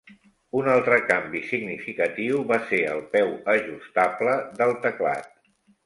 Un altre canvi significatiu va ser el peu ajustable del teclat.